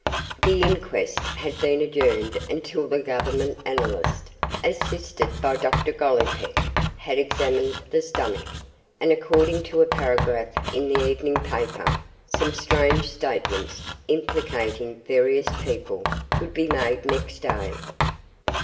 The inquest had been adjourned until the Government analyst, assisted by Dr Gollipeck, had examined the stomach, and according to a paragraph in the evening paper, some strange statements, implicating various people, would be made next day.